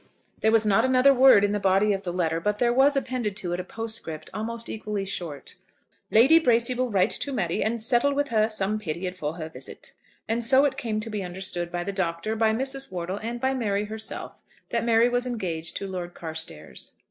There was not another word in the body of the letter; but there was appended to it a postscript almost equally short; "Lady Bracy will write to Mary and settle with her some period for her visit." And so it came to be understood by the Doctor, by Mrs. Wortle, and by Mary herself, that Mary was engaged to Lord Carstairs.